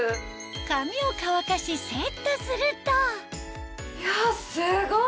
髪を乾かしセットするといやすごい！